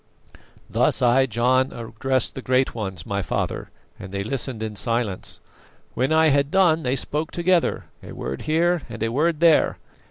"Thus I, John, addressed the great ones, my father, and they listened in silence. When I had done they spoke together, a word here and a word there.